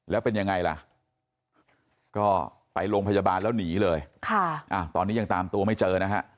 แล้วเป็นยังไงล่ะก็ไปโรงพยาบาลแล้วหนีเลยตอนนี้ยังตามตัวไม่เจอนะฮะ